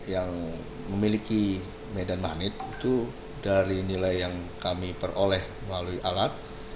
yang memiliki medan magnet itu dari nilai yang kami peroleh melalui alat